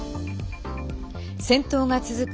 戦闘が続く